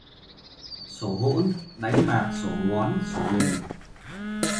Sổ hỗn, đánh bạc sổ ngón sổ nghề